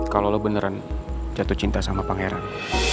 kalau lo beneran jatuh cinta sama pangeran